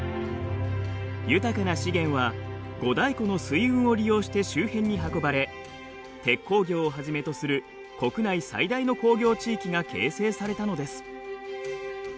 豊かな資源は五大湖の水運を利用して周辺に運ばれ鉄鋼業をはじめとする国内最大の工業地域が形成されたのです。